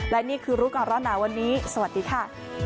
และนี่คือรู้ก่อนร้อนหนาวันนี้สวัสดีค่ะ